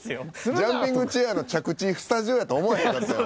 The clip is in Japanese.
ジャンピングチェアーの着地スタジオやと思わへんかったよね。